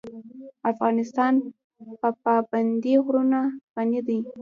افغانستان په پابندی غرونه غني دی.